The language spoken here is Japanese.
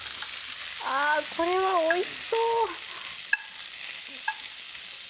あこれはおいしそう！